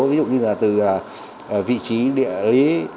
ví dụ như là từ vị trí địa lý